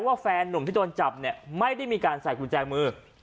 แฟนนุ่มที่โดนจับเนี่ยไม่ได้มีการใส่กุญแจมือ